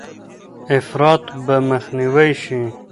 افراط به مخنیوی شي.